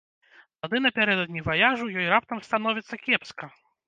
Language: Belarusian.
Тады напярэдадні ваяжу ёй раптам становіцца кепска.